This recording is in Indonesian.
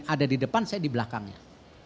ada di depan saya di belakangnya